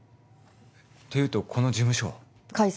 えっていうとこの事務所は？解散。